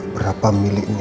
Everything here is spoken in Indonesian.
berapa mili ini